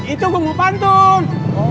itu gua mau pantun